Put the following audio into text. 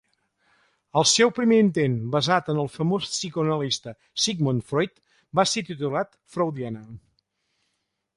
El seu primer intent, basat en el famós psicoanalista Sigmund Freud, va ser titulat Freudiana.